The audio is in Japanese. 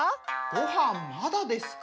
・ごはんまだですか？